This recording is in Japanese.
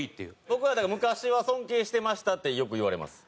僕はだから「昔は尊敬してました」ってよく言われます。